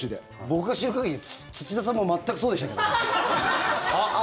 僕が知る限り土田さんも全くそうでしたけどね。